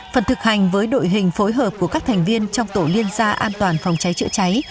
phần thực hành với đội hình phối hợp của các thành viên trong tổ liên gia an toàn phòng cháy chữa cháy